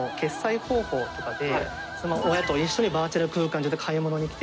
親と一緒にバーチャル空間上で買い物に来て。